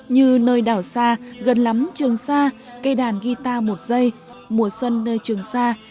như nơi đảo xa gần lắm trường sa cây đàn guitar một giây mùa xuân nơi trường sa